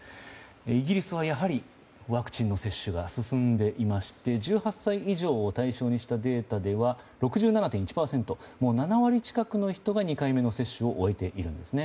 イギリスはやはりワクチンの接種が進んでいまして１８歳以上を対象にしたデータでは６７．１％と７割近くの人が２回目の接種を終えているんですね。